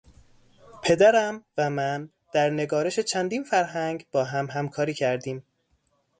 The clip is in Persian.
پدرم و من در نگارش چندین فرهنگ با هم همکاری کردیم.